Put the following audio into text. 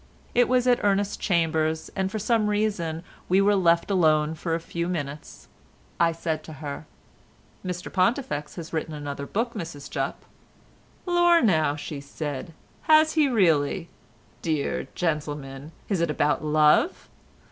It was at Ernest's chambers, and for some reason we were left alone for a few minutes. I said to her: "Mr Pontifex has written another book, Mrs Jupp." "Lor' now," said she, "has he really? Dear gentleman! Is it about love?"